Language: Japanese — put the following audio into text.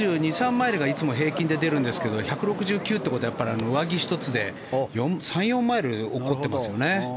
マイルがいつも平均で出るんですけど１６９ということは上着１つで３４マイル落っこちてますよね。